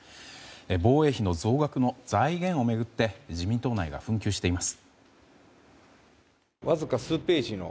防衛費の増額の財源を巡って自民党内が紛糾しています。